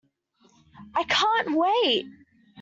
I can't wait!